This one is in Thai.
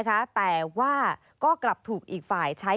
ฟังเสียงอาสามูลละนิทีสยามร่วมใจ